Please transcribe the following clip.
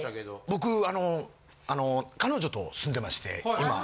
僕あの彼女と住んでまして今。